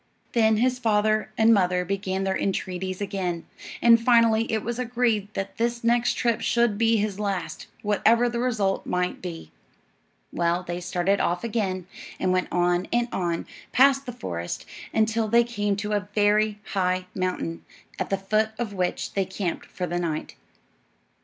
Then his father and mother began their entreaties again, and finally it was agreed that this next trip should be his last, whatever the result might be. Well, they started off again, and went on and on, past the forest, until they came to a very high mountain, at the foot of which they camped for the night.